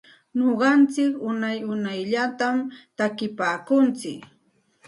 Nuqantsik unay unayllatam takinpaakuntsik.